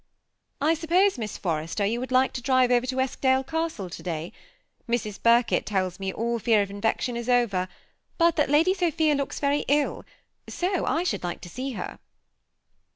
" I suppose, Miss Forrester, you would like to drive over to Eskdale Castle to day ? Mrs. Birkett tells me all fear of infection is over, but that Lady Sophia looks very ill ; so I should like to see her."